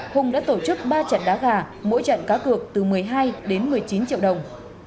hùng đã tổ chức ba trận đá gà mỗi trận cá cược từ một mươi hai đến một mươi chín triệu đồng